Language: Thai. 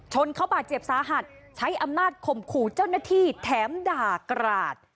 ชนเขาบาดเจ็บสาหัสใช้อำนาจข่มขู่เจ้าหน้าที่แถมด่ากราด